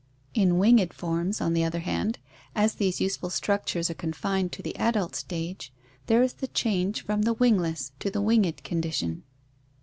In winged forms, on the other hand, as these useful structures are confined to the adult stage, there is the change from the wingless to the winged condition.